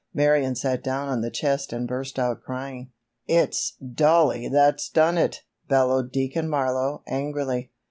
Marion sat down on the chest and burst out crying. "It's Dollie that's done it!" bellowed Deacon Marlowe angrily.